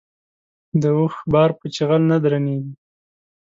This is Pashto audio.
د اوښ بار په چيغل نه درنېږي.